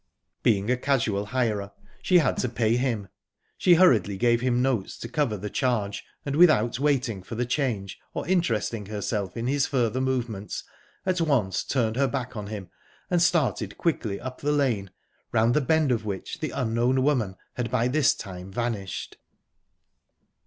Being a casual hirer, she had to pay him. She hurriedly gave him notes to cover the charge, and, without waiting for the change, or interesting herself in his further movements, at once turned her back on him and started quickly up the lane, round the bend of which the unknown woman had by this time vanished.